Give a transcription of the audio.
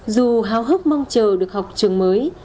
dù háo hức mong chờ được học trường mới